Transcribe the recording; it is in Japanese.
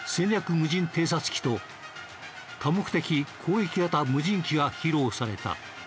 無人偵察機と多目的攻撃型無人機が披露された。